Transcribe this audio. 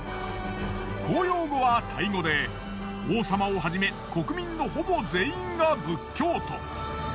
公用語はタイ語で王様をはじめ国民のほぼ全員が仏教徒。